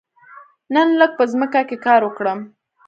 نن لږ په ځمکه کې کار وکړم.